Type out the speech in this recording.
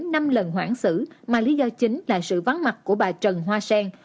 là một tòa án xử mà lý do chính là sự vắng mặt của bà trần hoa sen